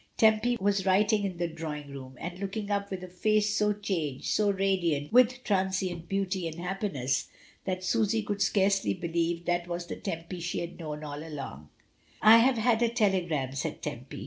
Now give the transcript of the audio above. Tempy was writing in the drawing room, and looking up with a face so changed, so radiant with transient beauty and happiness that Susy could scarcely believe that was the Tempy she had known all along, "I have had a telegram," said Tempy.